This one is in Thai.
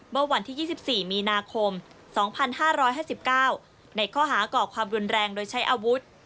เมื่อวันที่๒๔มีนาคม๒๕๕๙ในข้อหาก่อความรุนแรงโดยใช้อาวุธ